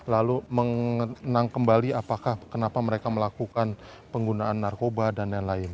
lalu menangkembali kenapa mereka melakukan penggunaan narkoba dan lain lain